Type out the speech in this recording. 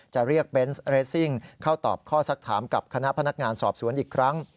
จะเรียกเบนส์เรสซิ่งเข้าตอบข้อสักถามกับคณะพนักงานสอบสวนอีกครั้ง